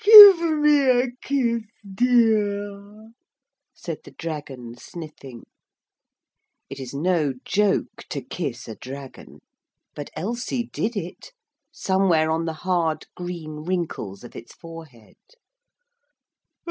'Give me a kiss, dear,' said the dragon, sniffing. It is no joke to kiss a dragon. But Elsie did it somewhere on the hard green wrinkles of its forehead.